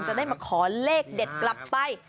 จะได้มาขอเลขเด็ดกลับไป